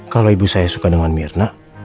kalau ibu saya suka dengan mirna